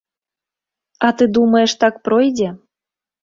А ты думаеш, так пройдзе?